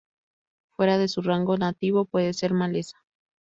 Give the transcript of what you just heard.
Fuera de su rango nativo, puede ser maleza.